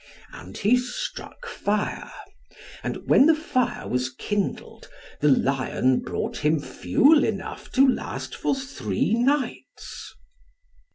And he struck fire, and when the fire was kindled, the lion brought him fuel enough to last for three nights.